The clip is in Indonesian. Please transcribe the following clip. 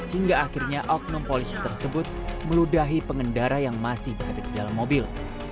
hingga akhirnya oknum polisi tersebut meludahi pengendara yang masih berada di dalam mobil